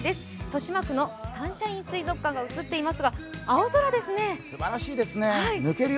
豊島区のサンシャイン水族館が映っていますが、すばらしいですね。